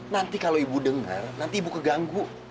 nanti kalau ibu dengar nanti ibu keganggu